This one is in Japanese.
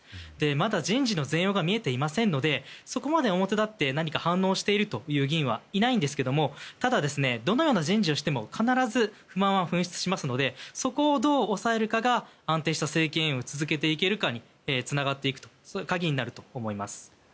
まだ人事の全容が見えていませんのでそこまで表立って反応しているという議員はいないんですがただ、どのような人事をしても必ず不満は噴出しますのでそこをどう抑えるかが安定した政権運営を続けていけるかにつながっていく鍵になると思います。